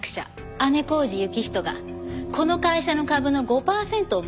姉小路行人がこの会社の株の５パーセントを持ってんの。